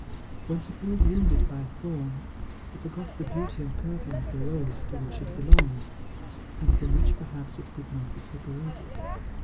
When he felt wounded by a thorn, he forgot the beauty and perfume of the rose to which it belonged, and from which perhaps it could not be separated.